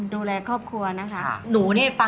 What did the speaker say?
ดูแลครอบครัวนะคะ